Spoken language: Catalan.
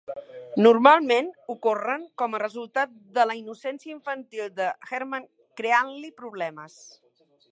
Normalment ocorren com a resultat de la innocència infantil de Herman creant-li problemes.